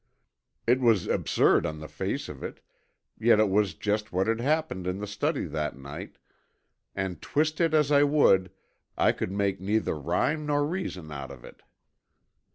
It was absurd on the face of it, yet it was just what had happened in the study that night, and twist it as I would I could make neither rhyme nor reason out of it.